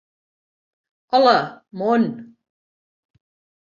"Hola, món!"